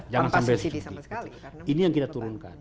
jangan sampai sekali ini yang kita turunkan